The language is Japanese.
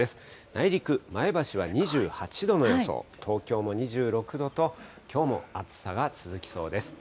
内陸、前橋は２８度の予想、東京も２６度と、きょうも暑さが続きそうです。